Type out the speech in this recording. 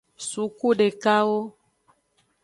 Suku dekawo.